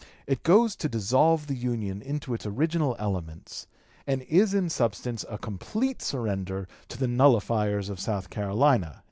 It goes to dissolve the Union into its original elements, and is in substance a complete surrender to the nullifiers of South Carolina."